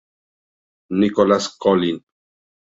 Nicolás Colin.